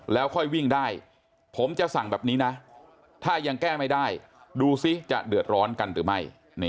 แล้วค่อยวิ่งได้ผมจะสั่งแบบนี้นะถ้ายังแก้ไม่ได้